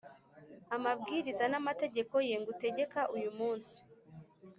amabwiriza n’amategeko ye ngutegeka uyu munsi,